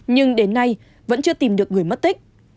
nhưng đến nay vẫn chưa tìm được người mất tích